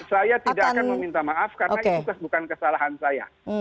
saya tidak akan meminta maaf karena itu bukan kesalahan saya